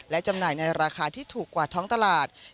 และจำหน่ายในราคาที่ถูกกว่าท้องตลาด